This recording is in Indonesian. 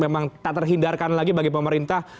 memang tak terhindarkan lagi bagi pemerintah